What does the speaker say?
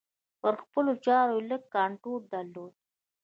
پر خپلو چارو یې لږ کنترول درلود.